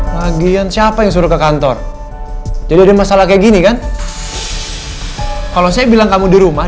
lagian siapa yang suruh ke kantor jadi ada masalah kayak gini kan kalau saya bilang kamu di rumah